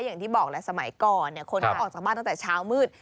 อย่างที่บอกแหละสมัยก่อนคนเขาออกจากบ้านตั้งแต่เช้ามืด